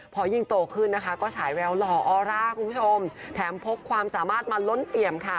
พอยิ่งโตขึ้นนะคะก็ฉายแววหล่อออร่าคุณผู้ชมแถมพกความสามารถมาล้นเอี่ยมค่ะ